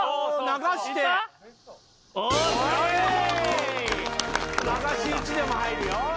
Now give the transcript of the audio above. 流し打ちでも入るよ。